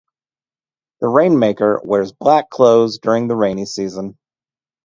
The rain-maker wears black clothes during the rainy season.